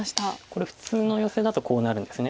これ普通のヨセだとこうなるんです。